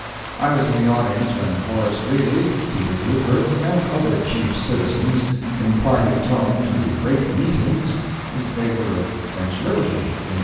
I was in the audience when Horace Greeley, Peter Cooper, and other chief citizens imparted tone to the great meetings in favor of French liberty, in 1848.